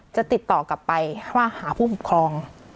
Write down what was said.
จะติดต่อกลับไปว่าหาผู้ปกครอง